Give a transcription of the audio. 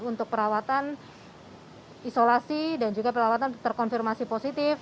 untuk perawatan isolasi dan juga perawatan terkonfirmasi positif